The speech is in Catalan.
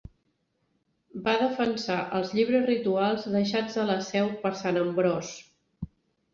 Va defensar els llibres rituals deixats a la seu per Sant Ambròs.